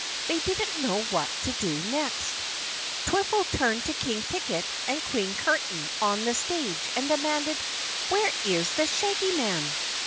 They didn't know what to do next. Twiffle turned to King Ticket and Queen Curtain on the stage and demanded: "Where is the Shaggy Man?"